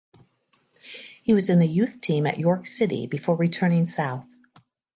He was in the youth team at York City before returning south.